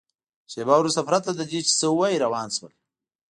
شېبه وروسته پرته له دې چې څه ووایي روان شول.